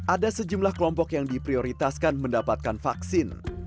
ada sejumlah kelompok yang diprioritaskan mendapatkan vaksin